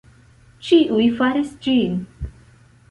Ĉiuj faris ĝin.